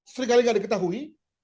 sekali kali gak diketahui